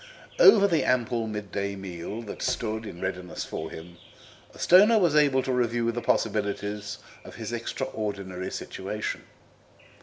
Over the ample midday meal that stood in readiness for him Stoner was able to review the possibilities of his extraordinary situation.